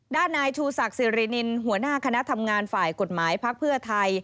ด้านนายชูศักดิ์สิรินินหัวหน้าคณะทำงานฝ่ายกฎหมายพักเพื่อไทย